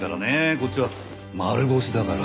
こっちは丸腰だから。